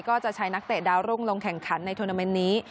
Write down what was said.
ก็จะใช้นักเตะดาวรุ่งลงแข่งขันในทวนาเมนต์นี้